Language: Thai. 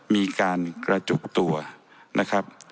มีการกระจุกตัวนะครับ